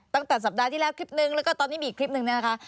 ตั้งแต่สัปดาห์ที่แล้วคลิปนึงแล้วก็ตอนนี้มีอีกคลิปนึงเนี่ยนะคะ